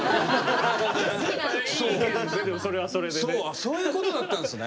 あそういうことだったんですね。